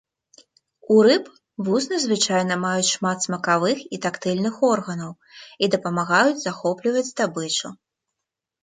У рыб вусны звычайна маюць шмат смакавых і тактыльных органаў і дапамагаюць захопліваць здабычу.